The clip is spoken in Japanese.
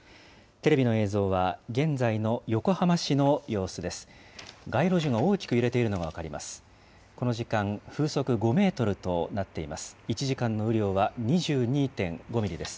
テレビの映像は、現在の横浜市の様子です。